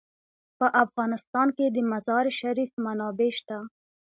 په افغانستان کې د مزارشریف منابع شته.